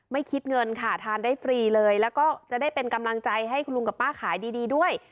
คิดเงินค่ะทานได้ฟรีเลยแล้วก็จะได้เป็นกำลังใจให้คุณลุงกับป้าขายดีด้วย